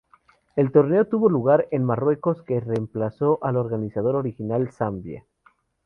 El torneo tuvo lugar en Marruecos, que remplazó al organizador original, Zambia.